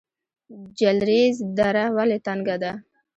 جلریز دره ولې تنګه ده؟